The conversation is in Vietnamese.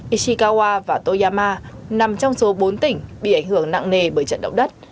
ishikawa và toyama nằm trong số bốn tỉnh bị ảnh hưởng nặng nề bởi trận động đất